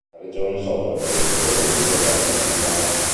La regione soffre periodicamente la siccità.